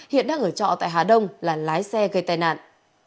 hiện đang ở trọ tại hà đông là lái xe gây tai nạn